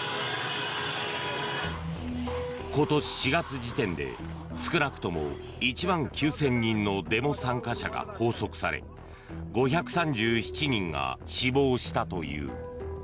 今年４月時点で少なくとも１万９０００人のデモ参加者が拘束され５３７人が死亡したという。